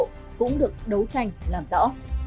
cũng được đấu tranh làm rõ